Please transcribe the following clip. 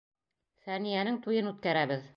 Фәниәнең туйын үткәрәбеҙ.